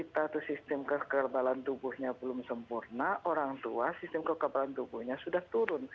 tata sistem kekerbalan tubuhnya belum sempurna orang tua sistem kekerbalan tubuhnya sudah turun